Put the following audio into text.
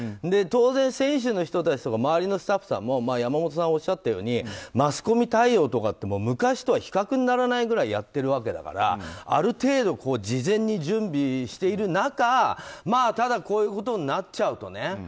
当然、選手の人たちとか周りのスタッフさんも山本さんもおっしゃったようにマスコミ対応とか昔とは比較にならないくらいやってるわけだからある程度、事前に準備している中ただ、こういうことになっちゃうとね